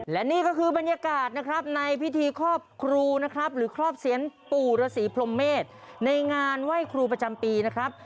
และนี่ก็คือบรรยากาศนะครับในพิธีครอบครูนะครับหรือครอบเสียนปู่ฤษีพรมเมษในงานไหว้ครูประจำปีนะครับ